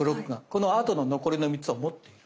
このあとの残りの３つも持っている。